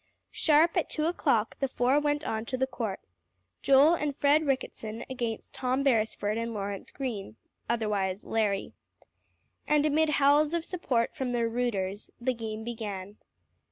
Sharp at two o'clock the four went on to the court Joel and Fred Ricketson against Tom Beresford and Lawrence Greene, otherwise "Larry." And amid howls of support from the "rooters," the game began.